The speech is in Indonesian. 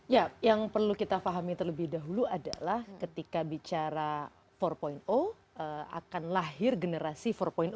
ya yang perlu kita fahami terlebih dahulu adalah ketika bicara empat akan lahir generasi empat